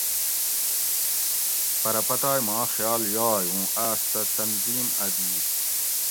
پرہ پتائ ماں خیال یائ اُوں آس تہ تنظیم اۤ دِیت